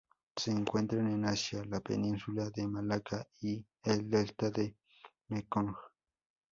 Se encuentran en Asia: la Península de Malaca y el delta del Mekong.